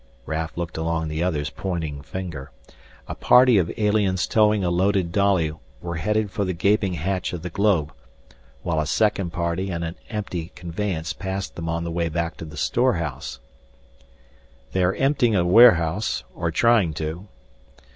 Raf looked along the other's pointing finger. A party of aliens towing a loaded dolly were headed for the gaping hatch of the globe, while a second party and an empty conveyance passed them on the way back to the storehouse. "They are emptying a warehouse, or trying to."